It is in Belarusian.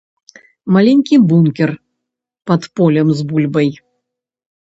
Маленькі бункер пад полем з бульбай.